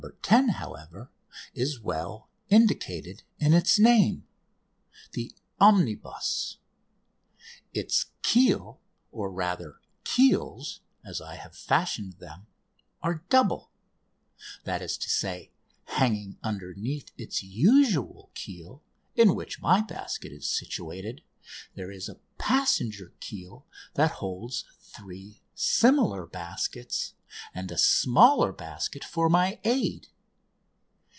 10," however, is well indicated in its name: "The Omnibus." Its keel, or, rather, keels, as I have fashioned them, are double that is to say, hanging underneath its usual keel, in which my basket is situated, there is a passenger keel that holds three similar baskets and a smaller basket for my aid.